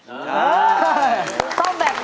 ครับ